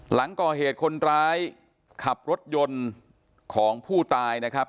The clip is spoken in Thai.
หลังก่อเหตุคนร้ายขับรถยนต์ของผู้ตายนะครับ